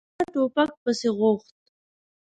هغه ټوپک پسې غوښت.